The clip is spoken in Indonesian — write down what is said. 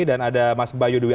dan ada mas bayu dewi